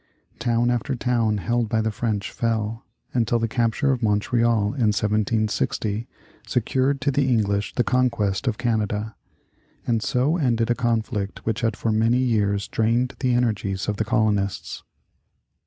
Town after town held by the French fell, until the capture of Montreal, in 1760, secured to the English the conquest of Canada, and so ended a conflict which had for many years drained the energies of the colonists.